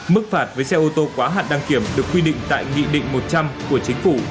mức phạt với xe ô tô quá hạn đăng kiểm được quy định tại nghị định một trăm linh của chính phủ